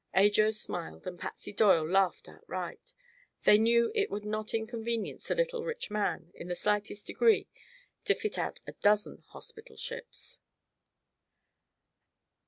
Ajo smiled and Patsy Doyle laughed outright. They knew it would not inconvenience the little rich man, in the slightest degree, to fit out a dozen hospital ships.